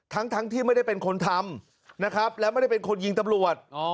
ทั้งที่ไม่ได้เป็นคนทำนะครับแล้วไม่ได้เป็นคนยิงตำรวจ